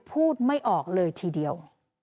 พูดไม่ออกเลยทีเดียว